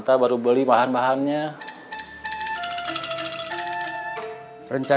terima kasih ions